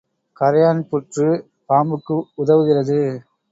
கறையான் புற்று பாம்புக்கு உதவுகிறது.